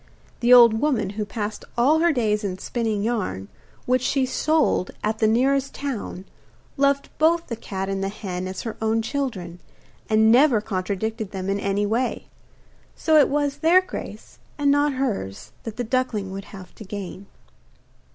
The old woman, who passed all her days in spinning yarn, which she sold at the nearest town, loved both the cat and the hen as her own children, and never contradicted them in any way; so it was their grace, and not hers, that the duckling would have to gain.